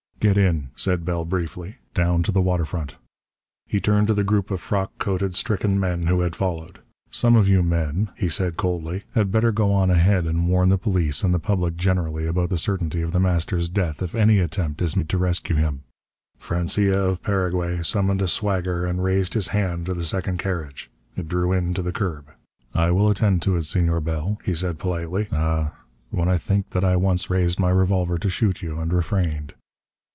"Get in," said Bell briefly. "Down to the waterfront." He turned to the group of frock coated, stricken men who had followed. "Some of you men," he said coldly, "had better go on ahead and warn the police and the public generally about the certainty of The Master's death if any attempt is made to rescue him." Francia, of Paraguay, summoned a swagger and raised his hand to the second carriage. It drew in to the curb. "I will attend to it, Senor Bell," he said politely. "Ah, when I think that I once raised my revolver to shoot you and refrained!"